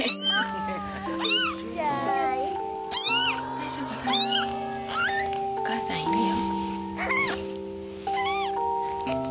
大丈夫お母さんいるよ。